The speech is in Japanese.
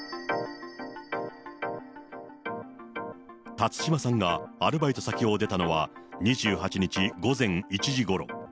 辰島さんがアルバイト先を出たのは２８日午前１時ごろ。